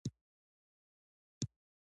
پښتونولي د میړانې درس دی.